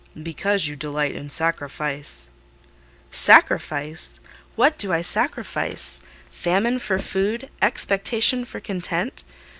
"Because you delight in sacrifice." "Sacrifice! What do I sacrifice? Famine for food, expectation for content.